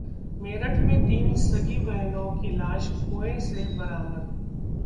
मेरठ में तीन सगी बहनों की लाश कुंए से बरामद